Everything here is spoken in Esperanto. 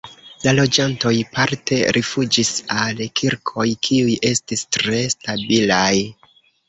La loĝantoj parte rifuĝis al kirkoj, kiuj estis tre stabilaj.